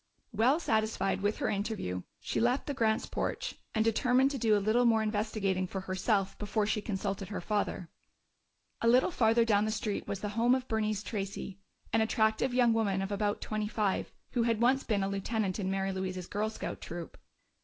Well satisfied with her interview, she left the Grants' porch and determined to do a little more investigating for herself before she consulted her father. A little farther down the street was the home of Bernice Tracey, an attractive young woman of about twenty five, who had once been a lieutenant in Mary Louise's Girl Scout troop.